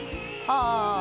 ああ。